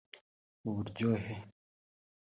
Muburyohe